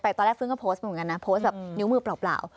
ตอนแรกฟื้นก็โพสต์เหมือนกันนะโพสต์แบบนิ้วมือเปล่า